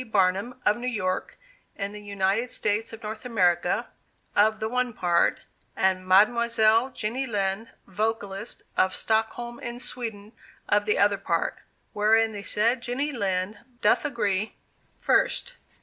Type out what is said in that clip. BARNUM, of New York, in the United States of North America, of the one part, and Mademoiselle JENNY LIND, Vocalist, of Stockholm in Sweden, of the other part, wherein the said Jenny Lind doth agree: 1st.